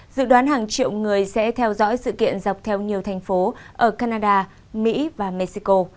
dự đoán hàng triệu người sẽ theo dõi sự kiện dọc theo nhiều thành phố ở canada mỹ và mexico